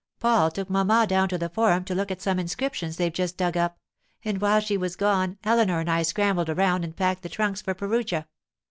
'Paul took mamma down to the Forum to look at some inscriptions they've just dug up; and while she was gone Eleanor and I scrambled around and packed the trunks for Perugia.